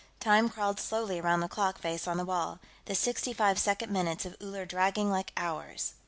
Time crawled slowly around the clock face on the wall, the sixty five second minutes of Uller dragging like hours.